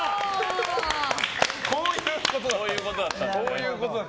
こういうことだったんだ。